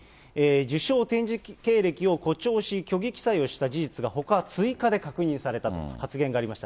受賞・展示経歴を誇張し、虚偽記載をした事実がほか追加で確認されたと発言がありました。